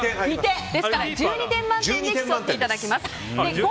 ですから１２点満点で競っていただきます。